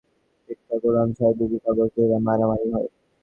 টেক্কা, গোলাম, সাহেব, বিবি-কাগজ ধরা লইয়া মারামারি হয়।